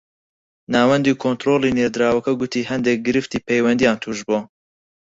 ناوەندی کۆنتڕۆڵی نێردراوەکە گوتی هەندێک گرفتی پەیوەندییان تووش بووە